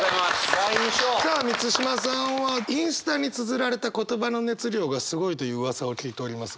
第二章！さあ満島さんはインスタにつづられた言葉の熱量がすごいといううわさを聞いておりますが。